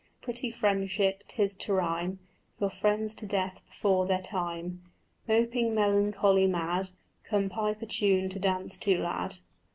Pretty friendship 'tis to rhyme Your friends to death before their time Moping melancholy mad: Come, pipe a tune to dance to, lad."